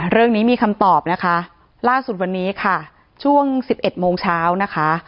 เรื่องนี้มีคำตอบนะคะล่าสุดวันนี้ค่ะช่วง๑๑โมงเช้านะคะ